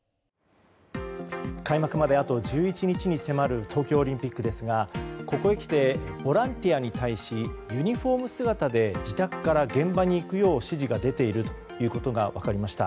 開幕まであと１１日に迫る東京オリンピックですがここへきて、ボランティアに対しユニホーム姿で自宅から現場に行くよう指示が出ているということが分かりました。